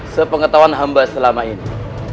sepengetahuan hamba selama ini